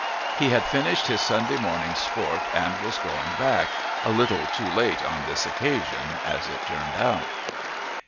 He had finished his Sunday morning's sport and was going back, a little too late on this occasion as it turned out.